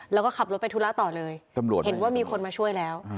แล้วก็ขับรถไปธุระต่อเลยตำรวจเห็นว่ามีคนมาช่วยแล้ว